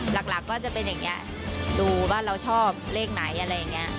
หลักก็จะเป็นอย่างนี้ดูว่าเราชอบเลขไหนอะไรอย่างนี้